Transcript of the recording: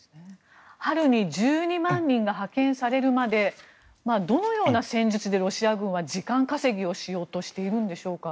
春に１２万人が派遣されるまでどのような戦術でロシア軍は時間稼ぎをしようとしているんでしょうか。